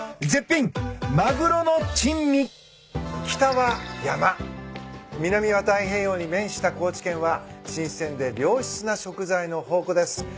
北は山南は太平洋に面した高知県は新鮮で良質な食材の宝庫です。